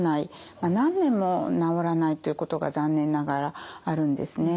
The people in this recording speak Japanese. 何年も治らないということが残念ながらあるんですね。